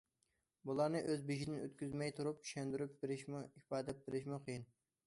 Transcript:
بۇلارنى ئۆز بېشىدىن ئۆتكۈزمەي تۇرۇپ چۈشەندۈرۈپ بېرىشمۇ، ئىپادىلەپ بېرىشمۇ قىيىن.